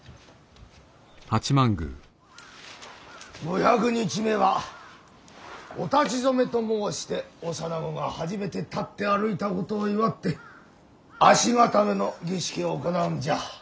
五百日目はお立ち初めと申して幼子が初めて立って歩いたことを祝って足固めの儀式を行うんじゃ。